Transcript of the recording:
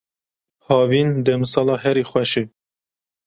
Havîn demsala herî xweş e.